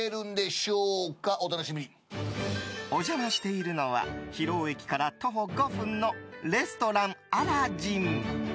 お邪魔しているのは広尾駅から徒歩５分のレストランアラジン。